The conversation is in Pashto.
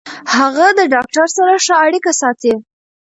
هغه د ډاکټر سره ښه اړیکه ساتي.